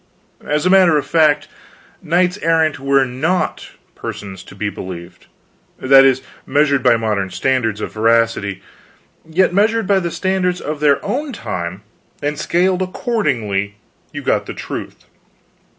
As a matter of fact, knights errant were not persons to be believed that is, measured by modern standards of veracity; yet, measured by the standards of their own time, and scaled accordingly, you got the truth.